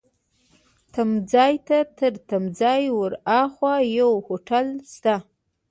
تمځای ته، تر تمځای ورهاخوا یو هوټل شته.